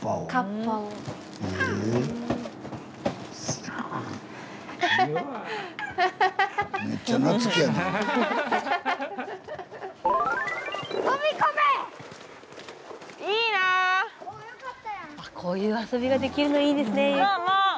スタジオこういう遊びができるのいいですね。